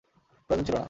প্রয়োজন ছিল না।